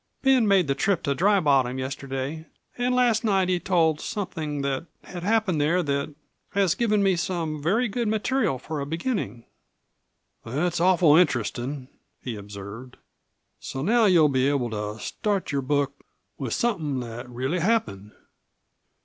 Ben made the trip to Dry Bottom yesterday, and last night he told something that had happened there that has given me some very good material for a beginning." "That's awful interestin'," he observed. "So now you'll be able to start your book with somethin' that really happened?"